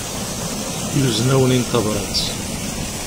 Yuzen-awen-in tabrat.